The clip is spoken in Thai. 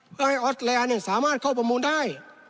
เพื่อให้ออสแลนด์สามารถเข้าประมูลได้